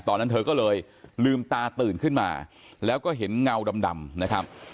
ตอนนั้นเธอก็เลยลืมตาตื่นขึ้นมาแล้วก็เห็นเงาดำนะครับ